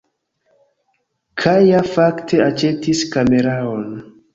Kaja fakte aĉetis kameraon